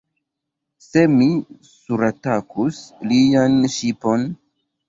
Se mi suratakus lian ŝipon!